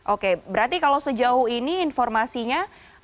oke berarti kalau sejauh ini informasinya